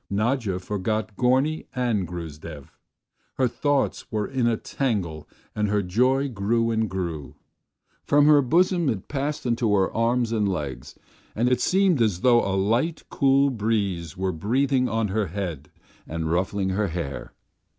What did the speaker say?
Nadya forgot Gorny and Gruzdev; her thoughts were in a tangle and her joy grew and grew; from her bosom it passed into her arms and legs, and it seemed as though a light, cool breeze were breathing on her head and ruffling her hair.